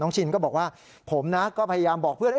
ชินก็บอกว่าผมนะก็พยายามบอกเพื่อน